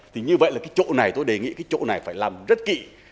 thì như vậy là cái chỗ này tôi đề nghị cái chỗ này phải làm rất kỹ